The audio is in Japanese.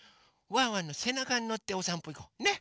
ワンワンのせなかにのっておさんぽいこう。ね？